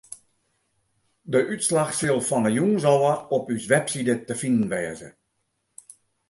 De útslach sil fan 'e jûns ôf op ús website te finen wêze.